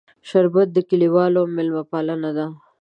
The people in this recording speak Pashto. شربت د کلیوالو میلمهپالنه ده